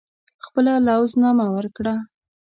خپله لوز نامه ورکړه.